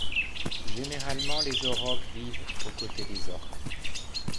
Généralement, les orogs vivent aux côtés des orcs.